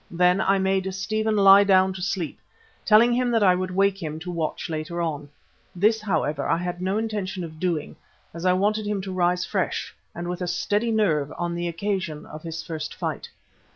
Then I made Stephen lie down to sleep, telling him that I would wake him to watch later on. This, however, I had no intention of doing as I wanted him to rise fresh and with a steady nerve on the occasion of his first fight.